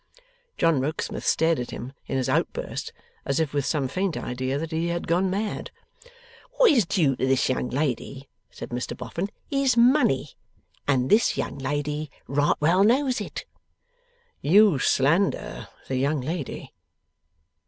John Rokesmith stared at him in his outburst, as if with some faint idea that he had gone mad. 'What is due to this young lady,' said Mr Boffin, 'is Money, and this young lady right well knows it.' 'You slander the young lady.